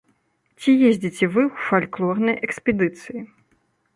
Ці ездзіце вы ў фальклорныя экспедыцыі?